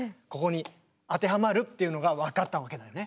ここに当てはまるっていうのが分かったわけだよね。